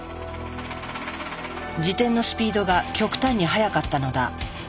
自転のスピードが極端に速かったのだ。